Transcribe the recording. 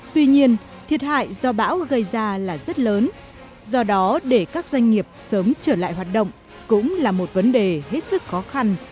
tuy nhiên thiệt hại do bão gây ra là rất lớn do đó để các doanh nghiệp sớm trở lại hoạt động cũng là một vấn đề hết sức khó khăn